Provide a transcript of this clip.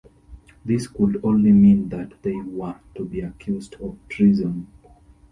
This could only mean that they were to be accused of treason.